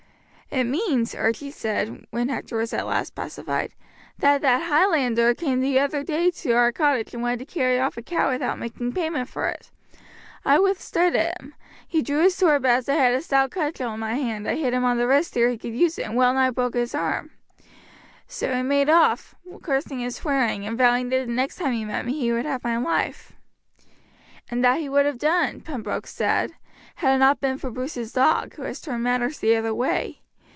"It means," Archie said, when Hector was at last pacified, "that that Highlander came the other day to our cottage and wanted to carry off a cow without making payment for it. I withstood him, he drew his sword, but as I had a stout cudgel in my hand I hit him on the wrist ere he could use it, and well nigh broke his arm. So he made off, cursing and swearing, and vowing that the next time he met me he would have my life." "And that he would have done," Pembroke said, "had it not been for Bruce's dog, who has turned matters the other way.